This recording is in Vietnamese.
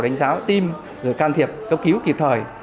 đánh giá tiêm rồi can thiệp cấp cứu kịp thời